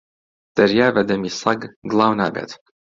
دەریا بە دەمی سەگ گڵاو نابێت